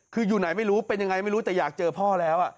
คืออยู่ไหนไม่รู้เป็นยังไงไม่รู้แต่อยากเจอพ่อแล้ว